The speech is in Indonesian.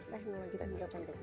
teknologi dan teknologi